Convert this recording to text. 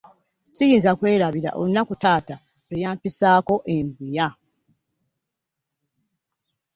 Siyinza kwerabira olunaku taata lwe yampisako e Mbuya.